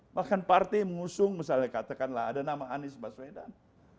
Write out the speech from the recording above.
bahkan partai mengusung misalnya katakanlah ada nama anies baswedan